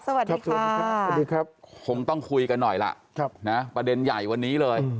สวัสดีครับสวัสดีครับคงต้องคุยกันหน่อยล่ะประเด็นใหญ่วันนี้เลย